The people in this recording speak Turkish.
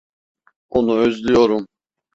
Onu özlüyorum.